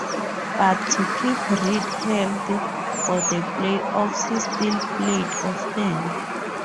But, to keep Reed healthy for the playoffs, he still played often.